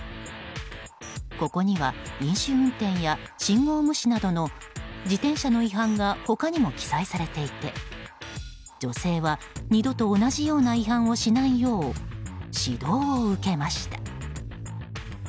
ここには飲酒運転や信号無視などの自転車の違反が他にも記載されていて女性は二度と同じような違反をしないよう指導を受けました。